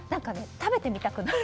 食べてみたくなる。